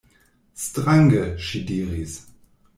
Strange, ŝi diris.